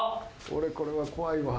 俺これは怖いわ。